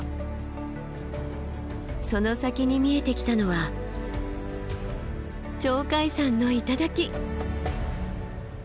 その先に見えてきたのは鳥海山の頂。